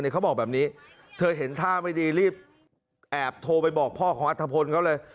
เขาบอกแบบนี้เธอเห็นท่าไม่ดีรีบแอบโทรไปบอกพ่อของอัฐพลเขาเลย